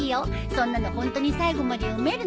そんなのホントに最後まで読めるの？